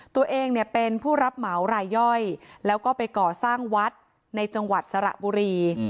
ตัวเองเนี่ยเป็นผู้รับเหมารายย่อยแล้วก็ไปก่อสร้างวัดในจังหวัดสระบุรี